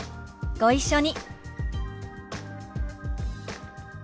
ご一緒に。